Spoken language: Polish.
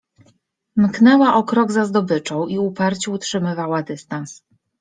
mknęła o krok za zdobyczą i uparcie utrzymywała dystans.